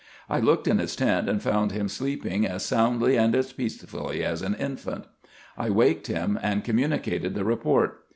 I looked in his tent, and found him sleeping as soundly and as peacefully as an infant. I waked him, and communicated the report.